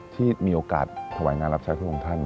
ที่มีโอกาสถวายงานรับใช้พระองค์ท่าน